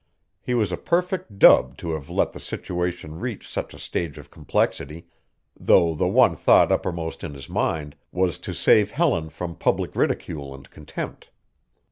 He was a perfect dub to have let the situation reach such a stage of complexity, though the one thought uppermost in his mind was to save Helen from public ridicule and contempt.